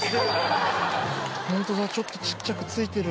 ホントだちょっと小っちゃく付いてる。